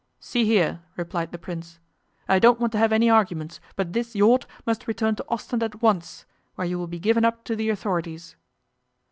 'See here!' replied the Prince, 'I don't want to have any arguments, but this yacht must return to Ostend at once, where you will be given up to the authorities.